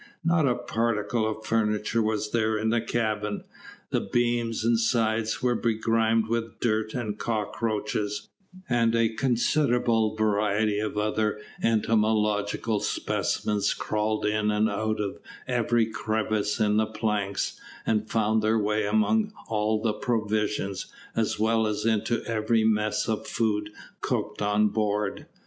Not a particle of furniture was there in the cabin, the beams and sides were begrimed with dirt and cockroaches, and a considerable variety of other entomological specimens crawled in and out of every crevice in the planks, and found their way among all the provisions, as well as into every mess of food cooked on board.